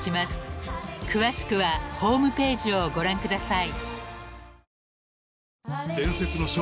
［詳しくはホームページをご覧ください］